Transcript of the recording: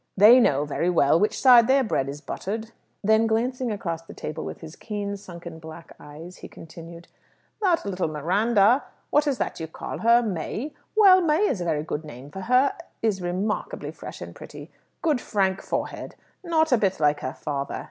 They know very well which side their bread is buttered." Then glancing across the table with his keen, sunken, black eyes, he continued, "That little Miranda what is it you call her? May? Well, May is a very good name for her is remarkably fresh and pretty. Good frank forehead. Not a bit like her father.